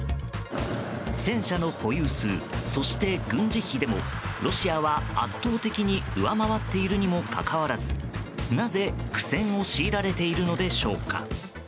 戦車の保有数、そして軍事費でもロシアは圧倒的に上回っているにもかかわらずなぜ苦戦を強いられているのでしょうか？